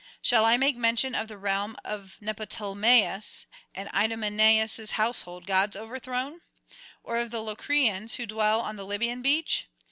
Shall I make mention of the realm of Neoptolemus, and Idomeneus' household gods overthrown? or of the Locrians who dwell on the Libyan beach?